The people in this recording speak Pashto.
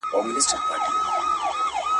تجارانو ګټه ترلاسه کړي ده.